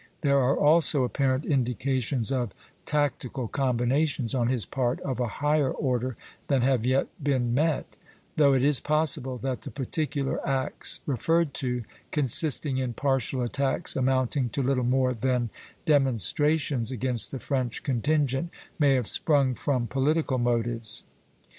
There are also apparent indications of tactical combinations, on his part, of a higher order than have yet been met; though it is possible that the particular acts referred to, consisting in partial attacks amounting to little more than demonstrations against the French contingent, may have sprung from political motives.